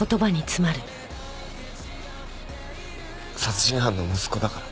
殺人犯の息子だから？